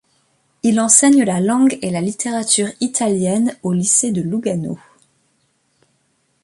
Il enseigne la langue et la littérature italiennes au lycée de Lugano.